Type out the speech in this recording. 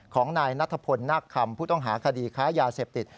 ของนายนัทพลนาคคำผู้ต้องหาคดีค้ายาเสพติด